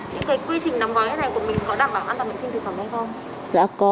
những quy trình đóng gói này của mình có đảm bảo an toàn vệ sinh thực phẩm hay không